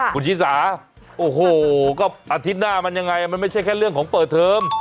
คุณชิสาโอ้โหก็อาทิตย์หน้ามันยังไงมันไม่ใช่แค่เรื่องของเปิดเทอม